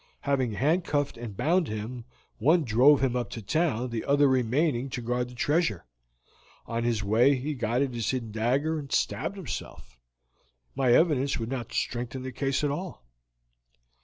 Having handcuffed and bound him, one drove him up to town, the other remaining to guard the treasure. On his way he got at this hidden dagger and stabbed himself. My evidence would not strengthen the case at all."